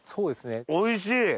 おいしい！